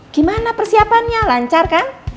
gimana persiapannya lancar kan